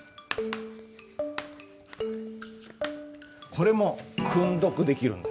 これも訓読できるんです。